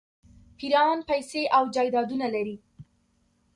پیران پیسې او جایدادونه لري.